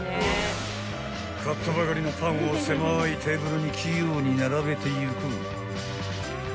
［買ったばかりのパンを狭いテーブルに器用に並べていく］